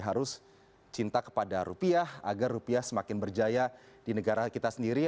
harus cinta kepada rupiah agar rupiah semakin berjaya di negara kita sendiri